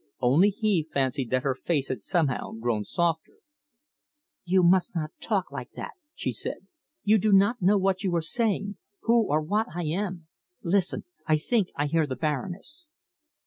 Only he fancied that her face had somehow grown softer. "You must not talk like that," she said. "You do not know what you are saying who or what I am. Listen! I think I hear the Baroness."